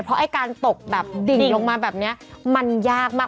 เพราะไอ้การตกแบบดิ่งลงมาแบบนี้มันยากมาก